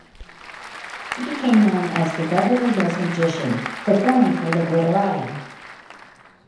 He became known as the "Beverly Hills Magician" performing for the Glitterati.